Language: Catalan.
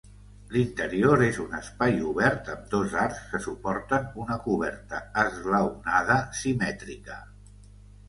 L'interior és un espai obert amb dos arcs que suporten una coberta esglaonada simètrica.